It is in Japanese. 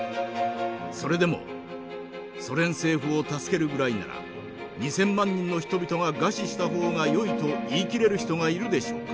それでもソ連政府を助けるぐらいなら２，０００万人の人々が餓死した方がよいと言い切れる人がいるでしょうか。